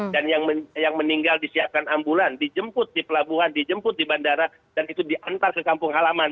dan yang meninggal disiapkan ambulan dijemput di pelabuhan dijemput di bandara dan itu diantar ke kampung salaman